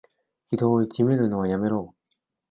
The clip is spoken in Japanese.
人をいじめるのはやめろ。